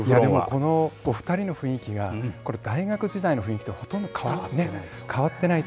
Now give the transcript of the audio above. このお２人の雰囲気がこれ、大学時代の雰囲気とほとんど変わっていないと。